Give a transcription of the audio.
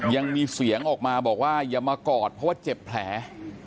ยังมีเสียงออกมาบอกว่าอย่ามากอดเพราะว่าเจ็บแผล